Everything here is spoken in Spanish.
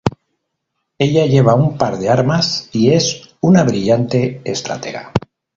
Ella lleva un par de armas y es una brillante estratega.